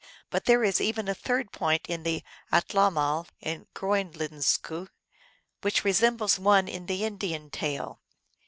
But there is even a third point in the Atlamal in Groenlenzku, which resem bles one in the Indian tale.